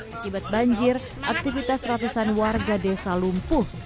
akibat banjir aktivitas ratusan warga desa lumpuh